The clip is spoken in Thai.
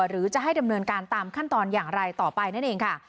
หรือจะให้ดำเนินการตามขั้นตอนอย่างไรต่อไปนั่นเองค่ะ